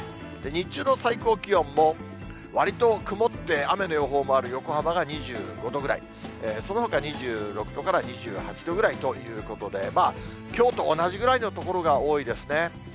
日中の最高気温も、割と曇って、雨の予報もある横浜が２５度ぐらい、そのほか２６度から２８度ぐらいということで、まあ、きょうと同じぐらいの所が多いですね。